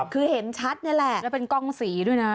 คือเห็นชัดนี่แหละแล้วเป็นกล้องสีด้วยนะ